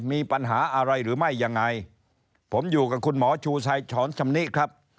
มีปัญหาอะไรหรือไม่ยังไงผมอยู่กับคุณหมอชูชัยฉอนชำนิครับ